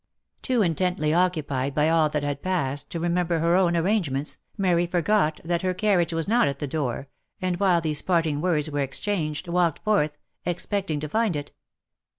Too intently occupied by all that had passed, to remember her own arrangements, Mary forgot that her carriage was not at the door, and while these parting words were exchanged, walked forth, expecting to find it.